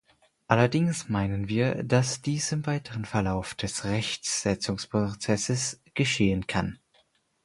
Allerdings meinen wir, dass dies im weiteren Verlauf des Rechtsetzungsprozesses geschehen kann.